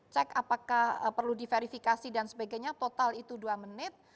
cek apakah perlu diverifikasi dan sebagainya total itu dua menit